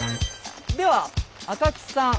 では赤木さん